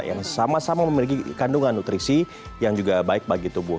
yang sama sama memiliki kandungan nutrisi yang juga baik bagi tubuh